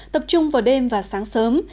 tập trung vào đêm và sáng sớm